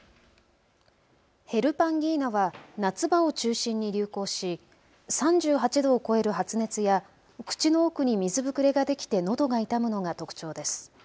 ヘルパンギーナは夏場を中心に流行し３８度を超える発熱や口の奥に水ぶくれができてのどが痛むのが特徴です。